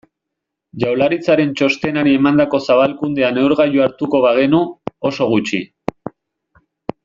Jaurlaritzaren txostenari emandako zabalkundea neurgailu hartuko bagenu, oso gutxi.